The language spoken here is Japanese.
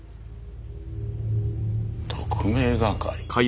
特命係。